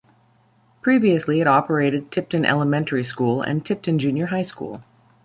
Previously it operated Tipton Elementary School and Tipton Junior High School.